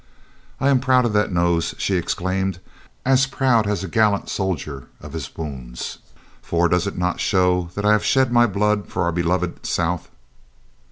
"I am proud of that nose!" she exclaimed; "as proud as a gallant soldier of his wounds, for does it not show that I have shed my blood for our beloved South?"